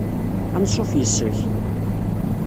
Anṣuf yes-k!